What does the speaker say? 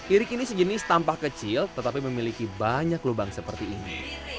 irik ini sejenis tampak kecil tetapi memiliki banyak lubang seperti ini